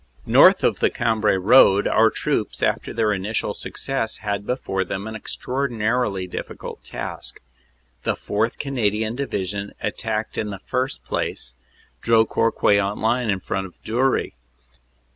North of the Cambrai road, our troops, after their initial success, had before them an extraordinarily difficult task. The 4th. Canadian Division attacked in the first place the Dro court Queant line in front of Dury.